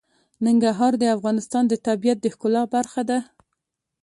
ننګرهار د افغانستان د طبیعت د ښکلا برخه ده.